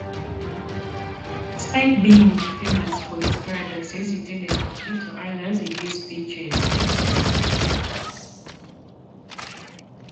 Despite being famous for his paradoxes, he tended to belittle others in his speeches.